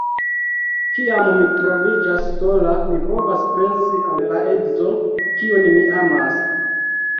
Kiam mi troviĝas sola, mi povas pensi al la edzo, kiun mi amas.